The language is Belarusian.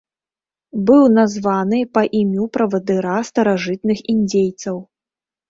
Быў названы па імю правадыра старажытных індзейцаў.